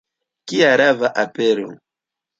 Kia rava apero!